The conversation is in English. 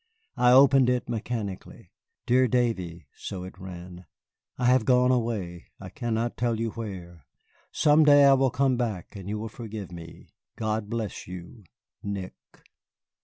I opened it mechanically. "Dear Davy," so it ran, "I have gone away, I cannot tell you where. Some day I will come back and you will forgive me. God bless you! NICK."